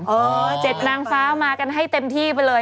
เออเจ็ดนางฟ้าเอามากันให้เต็มที่ไปเลย